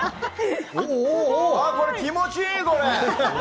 これ気持ちいい、これ！